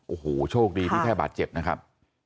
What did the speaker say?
โอ้โหโชคดีที่แค่บาดเจ็บนะครับ